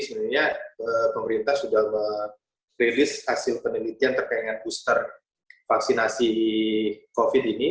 sebenarnya pemerintah sudah merilis hasil penelitian terkait dengan booster vaksinasi covid ini